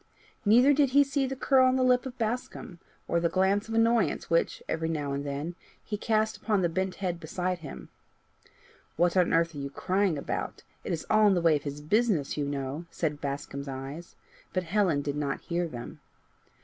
Neither did he see the curl on the lip of Bascombe, or the glance of annoyance which, every now and then, he cast upon the bent head beside him. "What on earth are you crying about? It is all in the way of his business, you know," said Bascombe's eyes, but Helen did not hear them.